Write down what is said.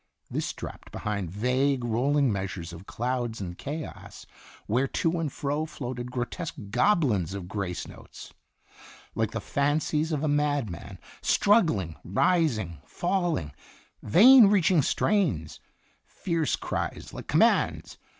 This dropped behind vague, rolling measures of clouds and chaos, where to and fro floated grotesque goblins of grace notes like the fancies of a madman; struggling, ris ing, falling, vain reaching strains; fierce cries like commands.